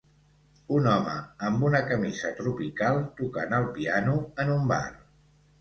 Un home amb una camisa tropical tocant el piano en un bar.